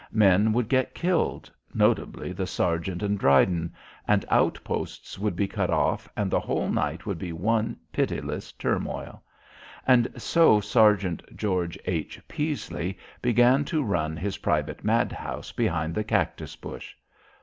Men would get killed notably the sergeant and Dryden and outposts would be cut off and the whole night would be one pitiless turmoil. And so Sergeant George H. Peasley began to run his private madhouse behind the cactus bush.